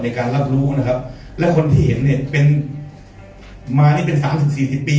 ในการรับรู้นะครับแล้วคนที่เห็นเนี่ยเป็นมานี่เป็นสามสิบสี่สิบปี